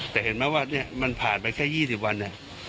แต่เห็นไหมว่าเนี่ยมันผ่านไปแค่๒๐วัน